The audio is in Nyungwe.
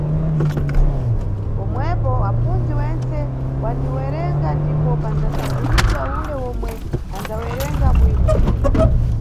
Pomwepo apfundzi wentse waniwerenga ndipo pandzasankhulidwa ule omwe andzawerenga bwino